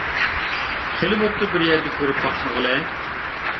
خېلى بوپتۇ بىر يەردە كۆرۈپ باقمىغىلى.